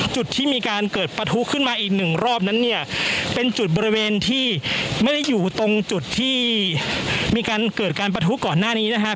จุดที่มีการเกิดประทุขึ้นมาอีกหนึ่งรอบนั้นเนี่ยเป็นจุดบริเวณที่ไม่ได้อยู่ตรงจุดที่มีการเกิดการประทุก่อนหน้านี้นะครับ